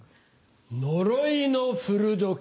呪いの古時計。